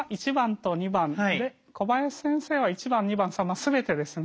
小林先生は①番②番③番全てですね。